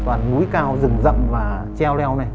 toàn núi cao rừng rậm và treo leo